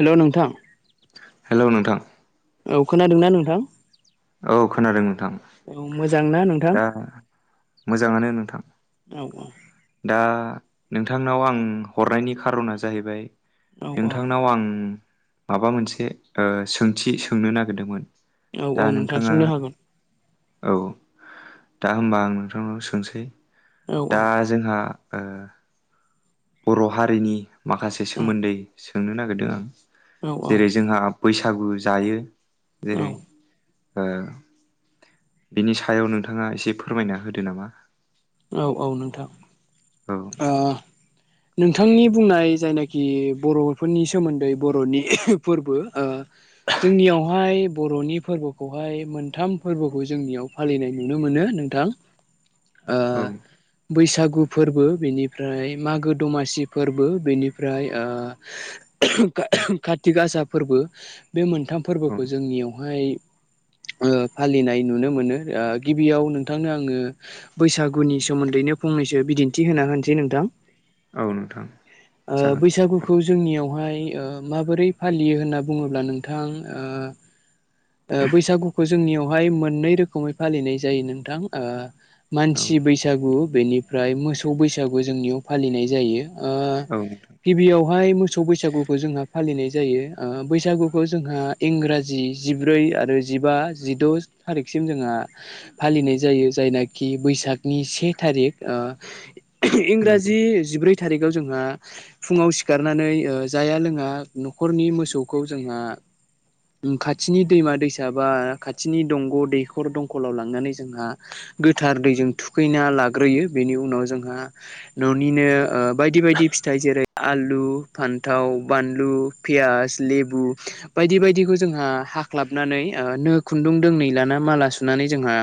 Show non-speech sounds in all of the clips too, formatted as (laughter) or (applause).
हेल' नोंथां । हेल' नोंथा औ खोनादोंना नोंथां औ खोनादों नोंथां। औ मोजां ना नोंथां दा मोजाङानो नोंथां औ दा। नोंथांनाव आं हरनायनि खारना जाहैबाय औ औ नोंथांनाव आं माबा मोनसे ओ सोंथि सोंनो नागिरदोंमोन। औ दा औ नोंथां नोंथाङा सोंनो हागोन। औ दा होमबा आं नोंथांनाव सोंसै औ दा जोंहा ओ। बर' हारिनि माखासे औ सोमोन्दै सोंनो नागिरदों आं जेरै जोंहा बैसागु जायो औ जेरै- ओ बिनि सायाव नोंथाङा एसे फोरमायना होदो नामा औ औ नोंथां औ ओ नोंथांनि बुंनाय जायनाखि बर'फोरनि सोमोन्दै बर'नि फोरबो ओ जोंनियावहाय बर'नि फोरबोखौहाय मोनथाम फोरबोखौ जोंनियाव फालिनाय नुनो मोनो नोंथां ओं अ फोरबो बेनिफ्राय मागो दमासि फोरबो बेनिफ्राय ओ काति गासा फोरबो बे मोनथाम औ फोरबोखौ जोंनियावहाय ओ फालिनाय नुनो मोनो ओ गिबियाव नोंथांनो आङो बैसागुनि सोमोन्दैनो फंनैसो बिदिन्थि होना होनोसै नोंथां औ नोंथां ओ जागोन बैसागुखौ जोंनियाव बेहाय माबोरै फालियो होनना बुङोब्ला नोंथां ओ बैसागुखौ जोंनियावहाय मोननै रोखोमै फालिनाय जायो नोंथां ओ औ मानसि बैसागु बेनिफ्राय मोसौ बैसागु जोंनियाव फालिनाय जायो आ औ गिबियावहाय मोसौ बैसागुखौ जोंहा फालिनाय जायो ओ बैसागुखौ जोंहा इंराजि जिब्रै आरो जिबा जिद' थारिखसिम जोंहा फालिनाय जायो जायनाखि खिबैसागनि से थारिख ओ नंगौ इंराजि जिब्रै थारिख जोंहा फुङाव सिखारनानै जाया लोङा न'खरनि मोसौखौ जोंहा खाथिनि दैमा दैसा बा खाथिनि दंग' दैखर दंखलाव लांनानै जोंहा गोथार दैजों थुखैना लाग्रोयो बेनि उनाव जोंहा न'निनो बायदि बायदि फिथाइ जेरै- आलु फान्थाव बानलु फियास लेबु बायदि बायदि जोंहा हाख्लाबनानै ओ नो खुन्दुं दोंनै लाना माला सुनानै जोंहा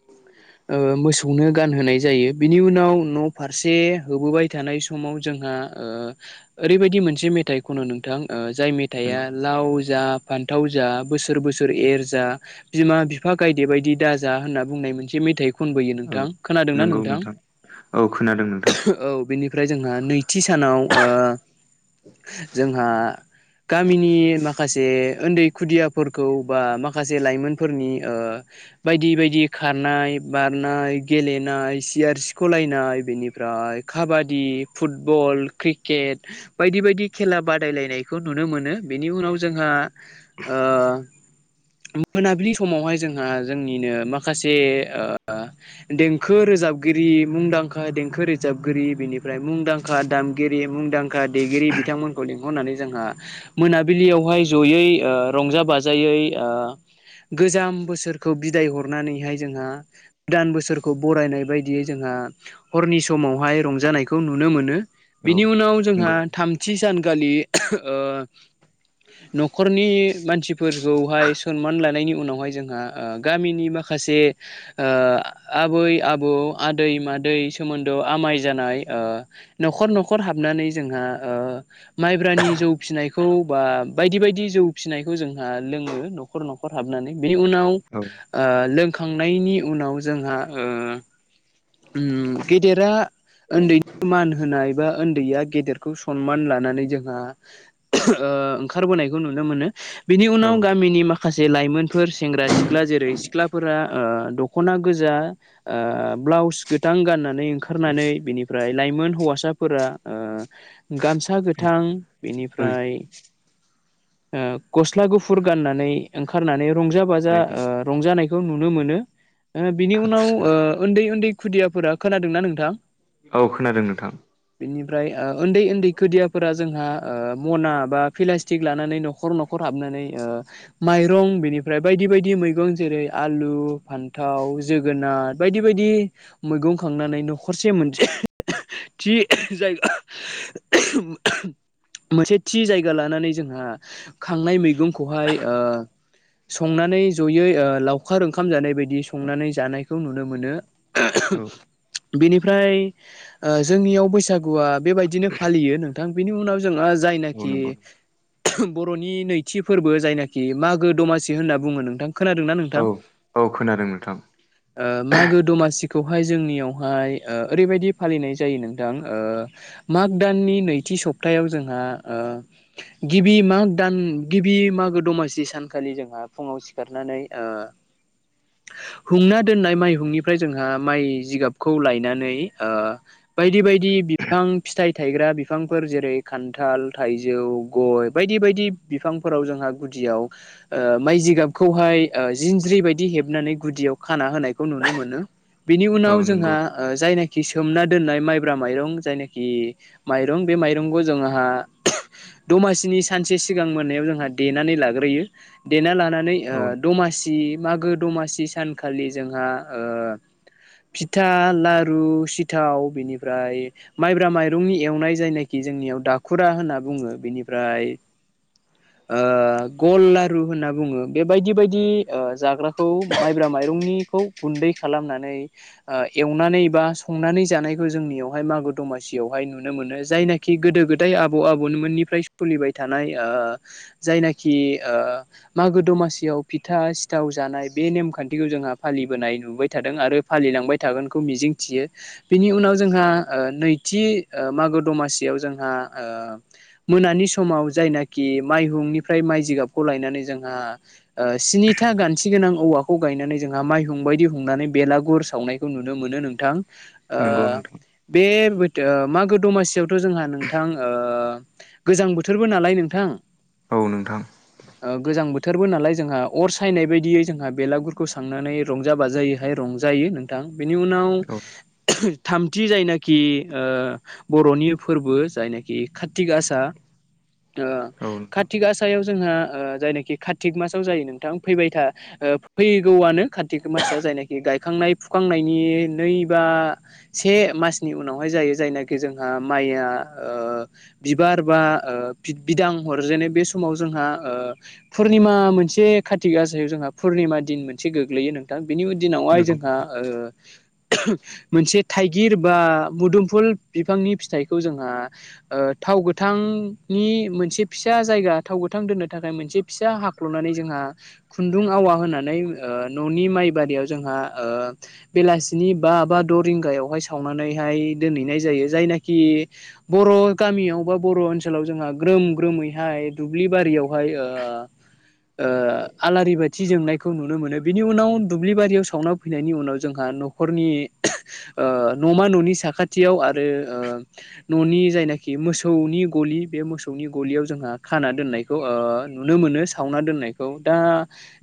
(inaudible) ओ मोसौनो गानहोनाय जायो बिनि उनाव न' फारसे होबोबाय थानाय समाव जोंहा ओ ओरैबायदि मोनसे मेथाइ खनो नोंथां ओ जाय मेथाइआ नंगौ नोंथां लाव जा फान्थाव फाथाव जा बोसोर बोसोर एर जा बिमा बिफा गायदे बायदि दा जा होननानै बुंनाय मोनसे मेथाइ खनबोयो औ नोंथां खोनादोंना नोंथां औ खोनादों नोंथां औ बेनि ओमफ्राय जोंहा नैथि सानाव ओ जोंहा गामिनि माखासे उन्दै खुदियाफोरखौ बा माखासे लाइमोनफोरनि ओ बायदि बायदि खारनाय बारनाय गेलेनाय सियार सिख'लायनाय बेनिफ्राय काबादि फुटबल क्रिकेट बायदि बायदि खेला बादायलायनायखौ नुनो मोनो बेनि उनाव जों जोंहा ओ मोनाबिलि समावहाय जोंहा जोंनिनो मा- माखासे ओ देंखो रोजाबगिरि मुंदांखा देंखो रोजाबगिरि बिनि ओमफ्राय मुंदांखा दामगिरि मुंदांखा देगिरि बिथांमोनखौ लिंहरनानै जोंहा मोनाबिलियाव जयै ओ रंजा बाजायै ओ गोजाम बोसोरखौ बिदाय हर नानै जोंहा गोदान बोसोरखौ बरायनाय बायदियै जोंहा हरनि समावहाय रंज- जानायखौ नुनो मोनो औ बिनि उनाव जोंहा नंगौ थामथि सान खालि ओ न'खरनि मानसिफोरखौहाय सनमान लानायनि उनावहाय जोंहा ओ गामिनि मा माखासे ओ आबै - आबौ आदै - मादै सोमोन्दोआव आमाय जानाय ओ न'खर न'खर हाबनानै जोंहा माइब्रानि जौ फिसिनायखौ बा बायदि - बायदि जौ फिसिनायखौ जोंहा लोङो न'खर न'खर हाबनानै बेनि उनाव औ ओ लोंखांनायनि उनाव जोंहा ओ गेदेरा उन्दैखौ मान होनाय बा उन्दैया गेदेरखौ सनमान लानानै जोंहा ओंखारबोनायखौ नुनो मोनो । बिनि उनाव औ गामिनि माखासे लाइमोनफोर सेंग्रा सिख्ला जेरै सि सिख्लाफोरा ओ दख'ना गोजा ओ ब्लाउस गोथां गाननानै ओंखारनानै बिनिफ्राय लाइमोन हौवासाफोरा ओ गामसा गोथां ओइ बेनिफ्राय ओ गस्ला गुफुर गाननानै ओंखारनानै रंजा बाजा नायदो ओ रंजानाय खौ नुनो मोनो ओ बिनि उनाव थांखुसिगोन ओ उन्दै उन्दै खुदियाफोरा खोनादोंना नोंथां? औ खोनादों नोंथां । बेनिफ्राय ओ उन्दै - उन्दै खोदियाफोरा जोंहा ओ मना बा पिलास्टिक लानानै न'खर - न'खर हाब हाबनानै ओ माइरं बेनिफ्राय बायदि - बायदि मैगं जेरै आलु, फान्थाव, जोगोनार, बायदि बायदि मैगं खांनानै न'खरसे मोनसे (inaudible) थि जायगा (inaudible) मोनसे थि जायगा लानानै जोंहा खांनाय मैगंखौहाय ओ संनानै जयै ओ लाव खार ओंखाम जानाय बायदि संनानै जानायखौ नुनो मोनो । औ बेनिफ्राय ओ जोंनियाव बैसागुआ बेबायदिनो फालियो नोंथां बिनि उनाव जोङो औ जायनोखि नंगौ बर'नि नैथि फोरबो जायनाखि मागो दमासि होनना बुङो नोंथां खोनादों ना औ नोंथां? औ खोनादों नोंथां ओ । मागो दमासिखौहाय जोंनियावहाय ओ ओरैबायदि फालिनाय जायो नोंथां ओ मा माग दाननि नैथि सप्तायाव जोंहा ओ गिबि माग दान गिबि मागो दमासि सानखालि जोंहा फुङाव सिखारनानै ओ (inaudible) हुंना दोननाय माइहुंनिफ्राय जोंहा माइ जिगाबखौ लायनानै ओ बायदि बाय दि बिफां फिथाइ थायग्रा बिफांफोर जेरै खान्थाल, थाइजौ, गय बायदि बायदि । बिफांफोराव जोंहा गुदियाव ओ माइ जिगाबखौहाय ओ जिन ज्रि बायदि हेबनानै गुदियाव खाना होनायखौ नुनो मोनो बेनि उनाव औ नंगौ जोंहा ओ जायना खि सोमना दोननाय माइब्रा माइरं जायनाखि माइरं बे माइरंखौ जोंहा दमासिनि सानसे सिगां मोनायाव जोंहा देनानै लाग्रोयो देना लानानै ओ औ दमासि मागो दमासि सानखालि जोंहा ओ फिथा, लारु, सिथाव बिनिफ्राय माइब्रा माइरंनि एवनाय जायनाखि जोंनियाव दाखुरा होनना बुङो बेनिफ्राय ओ गल लारु होनना बुङो बे बायदि बायदि ओ जाग्राखौ माइब्रा माइरंनिखौ गुन्दै खालामनानै ओ एवनानै बा संनानै जानायखौ जोंनियावहाय मागो दमासियावहाय नुनो मोनो जायनाखि गोदो गोदाय आबौ आबौमोननिफ्राय सलिबाय थानाय ओ जायनाखि ओ मागो दमासियाव फिथा सि थाव जानाय बे नेमखान्थिखौ जोंहा फालिबोनाय नुबाय थादों आरो फालिलांबाय थागोनखौ मिजिं थियो । बिनि उनाव जोंहा ओ नैथि ओ मागो दमासियाव जोंहा ओ मोना नि समाव जायनाखि माइहुंनिफ्राय माइ जिगाबखौ लायनानै जोंहा ओ स्नि था गानथिगोनां औवाखौ गायनानै जोंहा माइहुं बायदि हुंनानै बेलागुर सावनायखौ नुनो मोनो नोंथां । नंगौ नोंथां ओ बे बोट ओ मागो दमासियावथ' जोंहा नोंथां ओ गोजां बोथोरबो नालाय नोंथां औ नोंथां ओ गोजां बोथोरबो नालाय जोंहा अर सायनाय बायदियै जोंहा बेलागुरखौ सावनानै रंजा बाजायैहाय रंजायो नोंथां। बेनि उनाव औ (inaudible) थामथि जायनाखि ओ बर'नि फोरबो जायनाखि कातिगासा ओ औ नोंथां काति गासायाव जोंहा जायनाखि कातिक मासाव जायो नों थां फैबाय था फैगौआनो कातिक मासआ जायनाखि गायखांनाय फुखांनायनि नै इबा से मानसि उनावहाय जायो जायनाखि‌ जोंहा माइआ ओ बिबा र बा बिदां अरजेनो बे समाव जोंहा पुरनिमा मोनसे खारथिग गासायाव जोंहा पुर्निमा दिन मोनसे गोग्लैयो नोंथां बिनि दिनावहाय नंगौ जोंहा ओ मोनसे थाइगिर बा मुदुमफुल बिफांनि फिथाइखौ जोंहा ओ थाव गोथां नि मोनसे फिसा जायगा थाव गोथां दोननो थाखाय मोनसे फिसा हाख्ल'नानै जोंहा खुन्दुं आवा होनानै ओ न'नि माइ बारियाव जोंहा ओ बेलासिनि बा बाबा द रिंगायावहाय सावनानै हाय दोनहैनाय जायो जायनाखि बर' गामियावबा बर' ओनसोलाव जोंहा ग्रोम ग्रोमैहाय दुब्लि बारियावहाय ओ ओ आलारि बाथि जोंनायखौ नुनो मोनो बिनि उनाव दुब्लिबारियाव सावना फैनायनि उनाव जोंहा न'खरनि ओ न'मा न'नि साखाथियाव आरो ओ न'नि जायनाखि मोसौ नि गलि बे मोसौनि गलियाव जोंहा खाना दोननायखौओ नुनो मोनो सावना दोननायखौ दा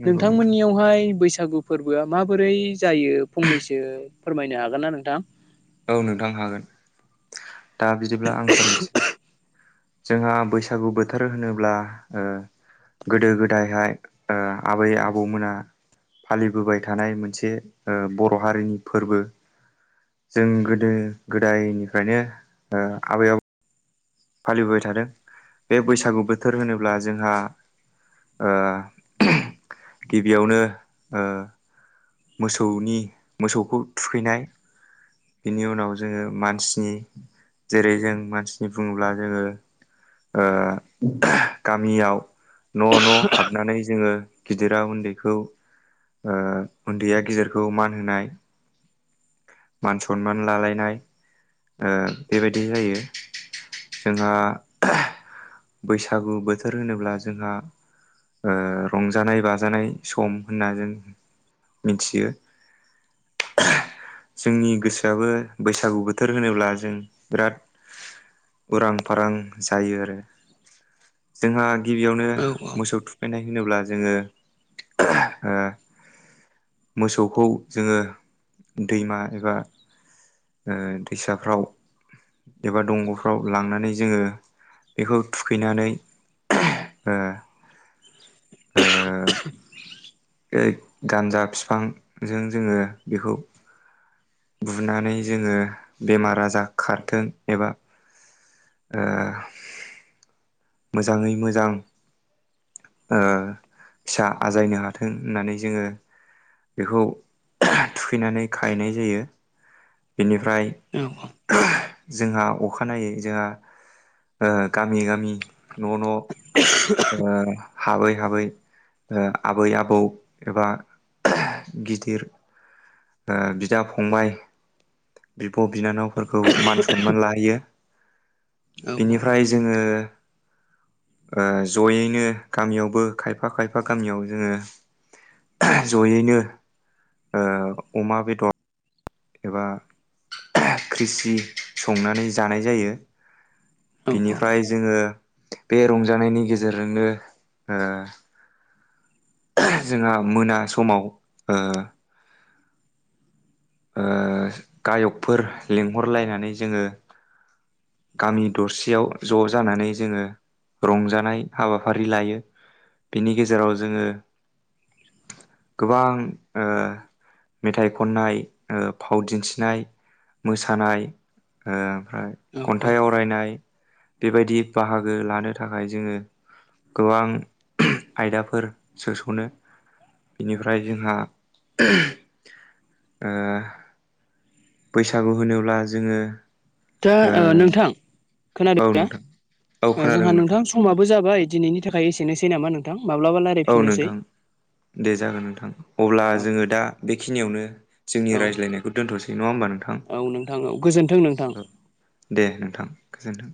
नंगौ नोंथां नोंथांमोननियावहाय बैसागु फोरबोआ माबोरै जायो फंनैसो फोरमायनो हागोन ना नोंथां औ नोंथां हागोन दा बिदिब्ला आं फोरमायसै जोंहा बैसागु बोथोर होनोब्ला ओ गोदो गोदायहाय ओ आबै आबौमोना फालिबोबाय थानाय मोनसे ओ बर' हारिनि फोरबो जों गोदो गोदायनिफ्रायनो ओ आबै आबौ फालिबोबाय थादों बे बैसागु बोथोर होनोब्ला जोंहा ओ गिबियावनो ओ मोसौनि मोसौखौ थुखैनाय बिनि उनाव जोङो मानसिनि जेरै जों मानसिनि बुङोब्ला जोङो ओ गामियाव न' न' हाबनानै जोङो गिदिरा उन्दैखौ उन्दैया गिदेरखौ मान होनाय मान सनमान लालायनाय ओ बेबायदि जायो जोंहा बैसागु बोथोर होनोब्ला जोंहा ओ रंजानाय बाजानाय सम होनना जों मिथियो जोंनि गोसोआबो बैसागु बो बोथोर होनोब्ला जों बिराद उरां फारां जायो आरो जोंहा गिबियावनो औ औ मोसौ थुखैनाय होनोब्ला जोङो मोसौखौ जोङो दैमा एबा ओ साफ्राव एबा दंग'फ्राव लांनानै जोङो बेखौ थुखैनानै ओ ओ ओ गान्जा फिफांजों जोङो बेखौ बुनानै जोङो बेमार आजार खारथों एबा ओ मोजाङै मोजां ओ फिसा आजायनो हा थों होननानै जोङो बेखौ थुखैनानै खाहैनाय जायो बेनिफ ओमफ्राय औ जोंहा अखानायै जोंहा ओ गामि गामि न' न' हाबै हाबै आबै आबै आबौ एबा गिदिर बिदा फंबबाय बिब' बिनानावफोरखौ मान सनमान लाहैयो बेनिफ्राय जोंङो ओ ज'यैनो गामियावबो खायफा खायफा गामियाव जोंङो ज'यैनो अमा बेदर एबा क्रिसि संनानै जानाय जायो औ बिनिफ्राय जोंङो बे रंजानायनि गेजेरजोंनो ओ जोंहा मोना समाव ओ ओ गायकफोर लिंहरलायनानै जोंङो गामि दरसेयाव ज' जानानै जोंङो रंजानाय हाबाफारि लायो बिनि गेजेराव जोंङो गोबां ओ मेथाइ खननाय ओ फाव दिन्थिनाय मोसानाय ओ ओ औ औ खन्थाइ आवरायनाय बेबायदि बाहागो लानो थाखाय जोंङो गोबां आयदाफोर सोस'नो बेनिफ्राय जोंहा ओ बैसागु होनोब्ला जोंङो दा ओ नोंथां खोनादों औ ना नोंथां औ ओ खोनादों जोंहा नोंथां समाबो जाबाय दिनैनि थाखाय एसेनोसै नामा नोंथां माब्लाबा औ रायज्लायफिननोसै नोंथां दे जागोन नोंथां अब्ला औ जोंङो दा बेखिनियावनो जोंनि औ रायज्लायनायखौ दोनथ'सै नङा होमबा नोंथां औ नोंथां औ गोजोन्थों नोंथां। औ दे नोंथां गोजोनथों